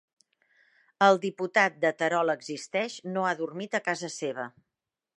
El diputat de Terol Existeix no ha dormit a casa seva